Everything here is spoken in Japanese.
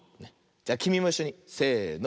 きみもいっしょにせの。